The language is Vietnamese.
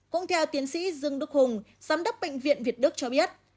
cũng theo tiến sĩ dương đức hùng giám đốc bệnh viện việt đức cho biết